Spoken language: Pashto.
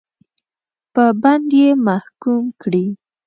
په بند به یې محکوم کړي.